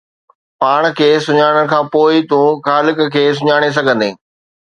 پاڻ کي سڃاڻڻ کان پوءِ ئي تون خالق کي سڃاڻي سگهندين.